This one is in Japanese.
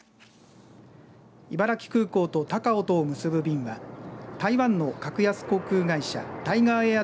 茨城空港と高雄とを結ぶ便が台湾の格安航空会社タイガーエア